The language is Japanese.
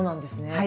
はい。